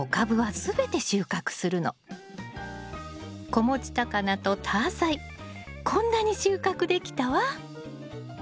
子持ちタカナとタアサイこんなに収穫できたわ。